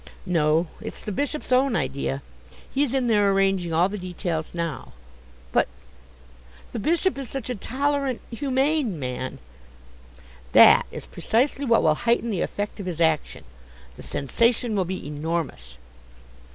"No, it's the Bishop's own idea. He's in there arranging all the details now." "But the Bishop is such a tolerant, humane man." "That is precisely what will heighten the effect of his action. The sensation will be enormous."